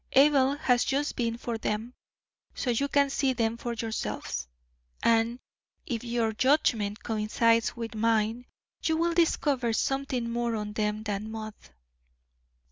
Abel has just been for them, so you can see them for yourselves, and if your judgment coincides with mine, you will discover something more on them than mud." Dr.